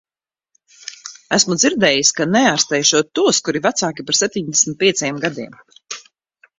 Esmu dzirdējis, ka neārstēšot tos, kuri vecāki par septiņdesmit pieciem gadiem.